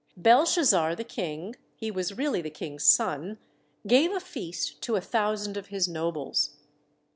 Belshazzar, the King, he was really the King's son, gave a feast to a thou sand of his nobles.